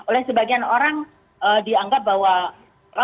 oleh sebagian orang dianggap bahwa